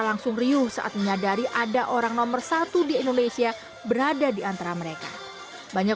langsung riuh saat menyadari ada orang nomor satu di indonesia berada di antara mereka banyak